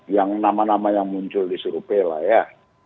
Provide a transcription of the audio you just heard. yang nama nama yang muncul di survei lah ya